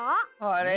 あれ？